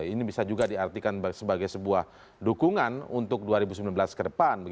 ini bisa juga diartikan sebagai sebuah dukungan untuk dua ribu sembilan belas ke depan